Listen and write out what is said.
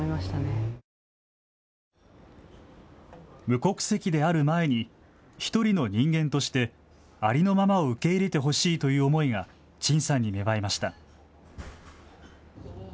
無国籍である前に１人の人間としてありのままを受け入れてほしいという思いが陳さんに芽生えました。